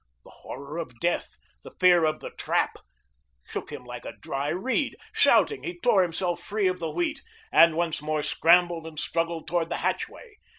The horror of death, the Fear of The Trap, shook him like a dry reed. Shouting, he tore himself free of the wheat and once more scrambled and struggled towards the hatchway.